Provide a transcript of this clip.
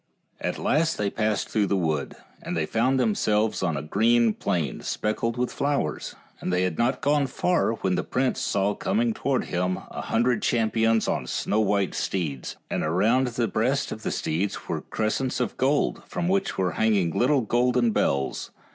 At last they passed through the wood, and they found themselves on a green plain, speckled with flowers, and they had not gone far when the prince saw coming towards him a hundred cham pions on snow white steeds, and around the breast of the steeds were crescents of gold, from which were hanging little golden bells.